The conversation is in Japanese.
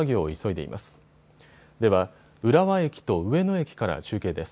では浦和駅と上野駅から中継です。